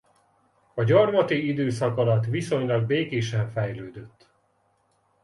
A gyarmati időszak alatt viszonylag békésen fejlődött.